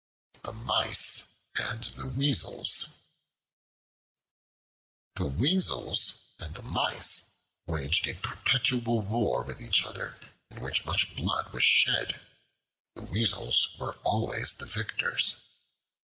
The Mice and the Weasels THE WEASELS and the Mice waged a perpetual war with each other, in which much blood was shed. The Weasels were always the victors.